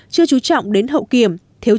chưa chú trọng đến hậu kiểm